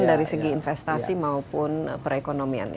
dari segi investasi maupun perekonomian